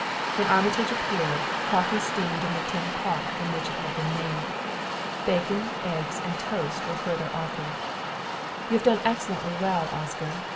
When Armitage appeared, coffee steamed in the tin pot in which it had been made. Bacon, eggs and toast were further offered. "You have done excellently well, Oscar.